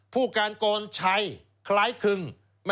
ผู้การกรชัยคล้ายคึง